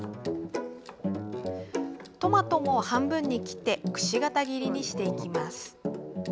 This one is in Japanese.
トマトも半分に切ってくし形切りにしていきます。